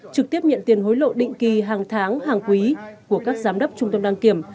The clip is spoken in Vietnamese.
trực tiếp nhận tiền hối lộ định kỳ hàng tháng hàng quý của các giám đốc trung tâm đăng kiểm